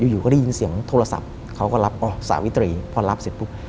อยู่ก็ได้ยินเสียงโทรศัพท์เขาก็รับอ๋อสาวิตรีพอรับเสร็จปุ๊บ